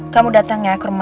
kamu datang ya ke rumah